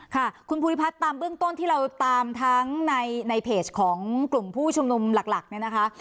ค่ะคุณภูริพัฒน์ตามเบื้องต้นที่เราตามทั้งในเพจของกลุ่มผู้ชุมนุมหลักเนี่ยนะคะ